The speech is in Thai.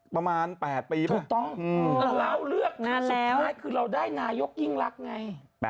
ประมาณ๘ปีป่ะเราเลือกทางสุดท้ายคือเราได้นายกยิ่งรักไงนานมาก